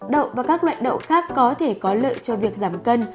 đậu và các loại đậu khác có thể có lợi cho việc giảm cân